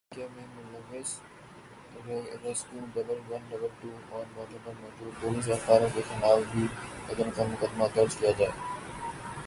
کہ واقعہ میں ملوث rescue double one double two اور موقع پر موجود پولیس اہلکاروں کے خلاف بھی قتل کا مقدمہ درج کیا جائے